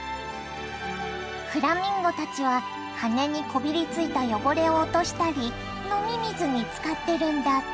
フラミンゴたちは羽にこびりついた汚れを落としたり飲み水に使ってるんだって。